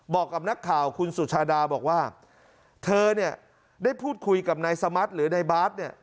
บอกกับนักข่าวคุณสุชาดาบอกว่าเธอเนี่ยได้พูดคุยกับนายสมัติหรือนายบาทเนี่ย